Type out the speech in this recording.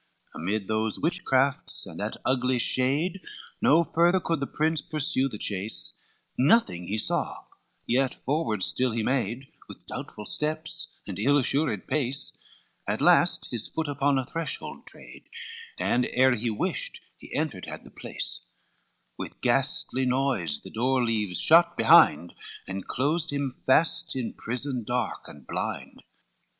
XLV Amid those witchcrafts and that ugly shade, No further could the prince pursue the chase, Nothing he saw, yet forward still he made, With doubtful steps, and ill assured pace; At last his foot upon a threshold trad, And ere he wist, he entered had the place; With ghastly noise the door leaves shut behind, And closed him fast in prison dark and blind.